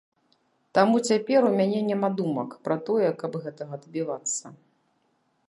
Таму цяпер у мяне няма думак пра тое, каб гэтага дабівацца.